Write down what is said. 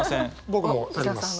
僕もあります。